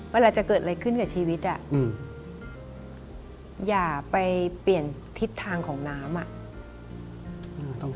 เวลาจะเกิดอะไรขึ้นกับชีวิตอย่าไปเปลี่ยนทิศทางของน้ำอ่ะ